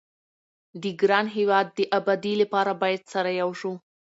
د ګران هيواد دي ابادي لپاره بايد سره يو شو